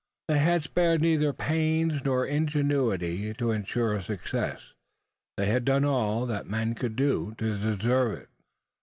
They had spared neither pains nor ingenuity to ensure success. They had done all, that man could do, to deserve it.